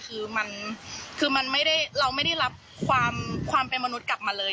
คือมันคือมันไม่ได้เราไม่ได้รับความเป็นมนุษย์กลับมาเลย